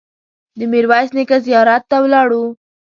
د میرویس نیکه زیارت ته ولاړو.